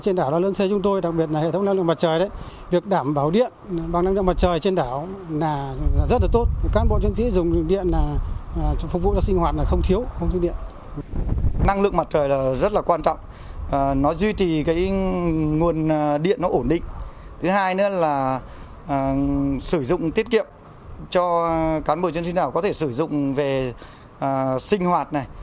nên là sử dụng tiết kiệm cho cán bộ chiến sĩ nào có thể sử dụng về sinh hoạt này